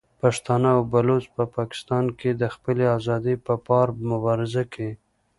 پښتانه او بلوڅ په پاکستان کې د خپلې ازادۍ په پار مبارزه کوي.